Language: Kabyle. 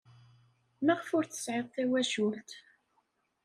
Maɣef ur tesɛiḍ tawacult?